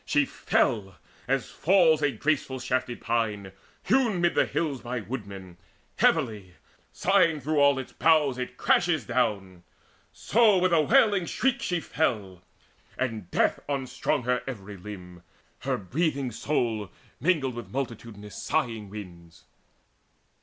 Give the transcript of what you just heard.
She fell, as falls a graceful shafted pine Hewn mid the hills by woodmen: heavily, Sighing through all its boughs, it crashes down. So with a wailing shriek she fell, and death Unstrung her every limb: her breathing soul Mingled with multitudinous sighing winds.